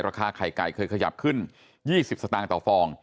ราคาไข่ไก่เคยขยับขึ้น๒๐สตางค์ต่อฟอง